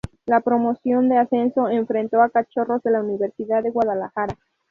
La promoción de ascenso enfrentó a Cachorros de la Universidad de Guadalajara.